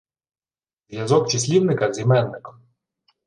Зв'язок числівника з іменником